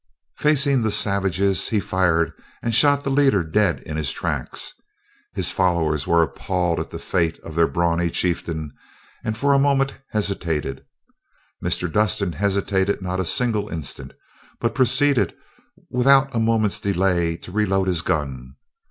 Facing the savages, he fired and shot the leader dead in his tracks. His followers were appalled at the fate of their brawny chieftain, and for a moment hesitated. Mr. Dustin hesitated not a single instant, but proceeded, without a moment's delay, to reload his gun.